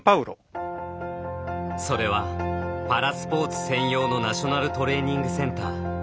それはパラスポーツ専用のナショナルトレーニングセンター。